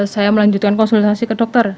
saya melanjutkan konsultasi ke dokter